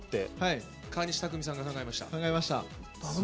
川西拓実さんが考えました。